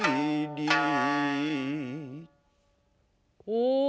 お！